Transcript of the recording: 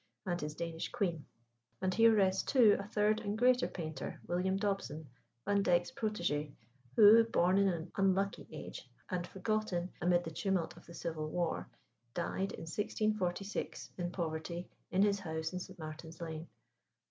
and his Danish queen. And here rests, too, a third and greater painter, William Dobson, Vandyke's protégé, who, born in an unlucky age, and forgotten amid the tumult of the Civil War, died in 1646, in poverty, in his house in St. Martin's Lane.